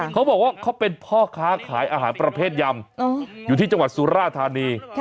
เขาบอกว่าเขาเป็นพ่อค้าขายอาหารประเภทยำอยู่ที่จังหวัดสุราธานี